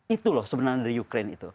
itu loh sebenarnya dari ukraine itu